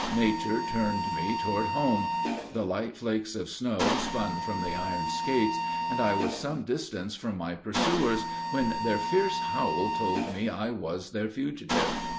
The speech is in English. Nature turned me toward home. The light flakes of snow spun from the iron skates, and I was some distance from my pursuers, when their fierce howl told me I was their fugitive.